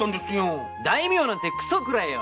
大名なんてくそくらえよ！